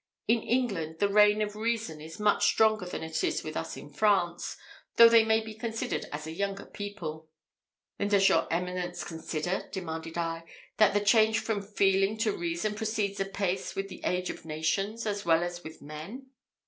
In England, the reign of reason is much stronger than it is with us in France, though they may be considered as a younger people." "Then does your Eminence consider," demanded I, "that the change from feeling to reason proceeds apace with the age of nations, as well as with men?"